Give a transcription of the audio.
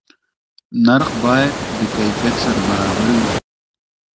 نرخ باید د کیفیت سره برابر وي.